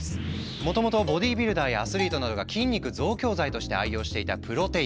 もともとボディービルダーやアスリートなどが筋肉増強剤として愛用していたプロテイン。